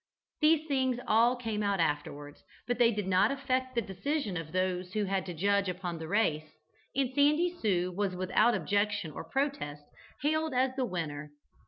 These things all came out afterwards, but they did not affect the decision of those who had to judge upon the race, and "Sandy Sue" was without objection or protest hailed as the winner.